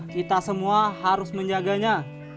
kita semua harus menjaganya